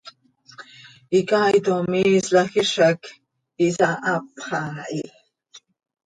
Icaaitom iislajc hizac ihsahapx haa hi.